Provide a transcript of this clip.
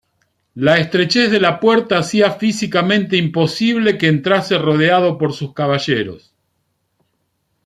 La estrechez de la puerta hacía físicamente imposible que entrase rodeado por sus caballeros.